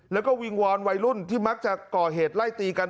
แล้วก็วิงวอนวัยรุ่นที่มักจะก่อเหตุไล่ตีกัน